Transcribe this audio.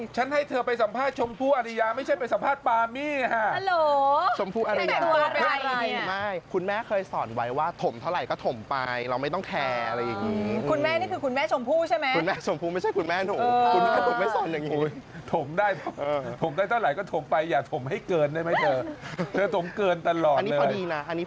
ฉันให้เธอไปสัมภาษณ์ชมพู่อริยาไม่ใช่ไปสัมภาษณ์ปามี่ค่ะ